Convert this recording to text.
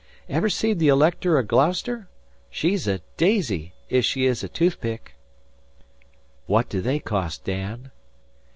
'Ever seed the Elector o' Gloucester? She's a daisy, ef she is a toothpick." "What do they cost, Dan?"